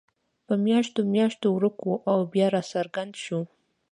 په میاشتو میاشتو ورک وو او بیا راڅرګند شو.